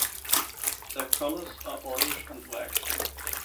Their colors are orange and black.